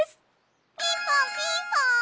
ピンポンピンポン！